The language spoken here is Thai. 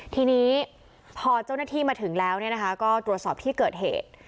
ทีนี้พอเจ้าหน้าที่มาถึงแล้วก็ตรวจสอบที่เกิดเหตุ